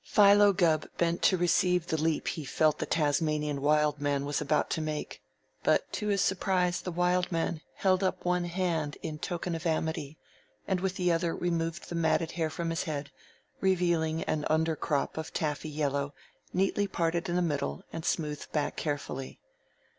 Philo Gubb bent to receive the leap he felt the Tasmanian Wild Man was about to make, but to his surprise the Wild Man held up one hand in token of amity, and with the other removed the matted hair from his head, revealing an under crop of taffy yellow, neatly parted in the middle and smoothed back carefully.